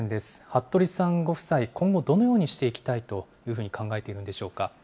服部さんご夫妻、今後どのようにしていきたいと考えているんでしょうか。